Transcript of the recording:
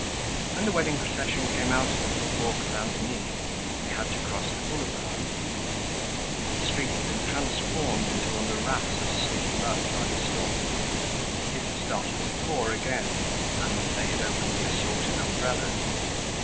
When the wedding procession came out of the Faubourg Saint Denis, they had to cross the boulevard. The street had been transformed into a morass of sticky mud by the storm. It had started to pour again and they had opened the assorted umbrellas.